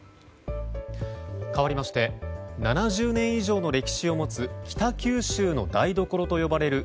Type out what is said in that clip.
かわりまして７０年以上の歴史を持つ北九州の台所と呼ばれる